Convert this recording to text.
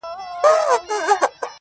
• هم شهید وي هم غازي پر زمانه وي -